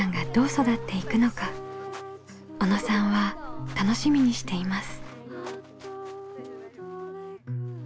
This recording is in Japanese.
小野さんは楽しみにしています。